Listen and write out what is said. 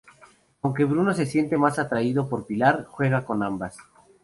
Aunque Bruno se siente más atraído por Pilar, juega con ambas.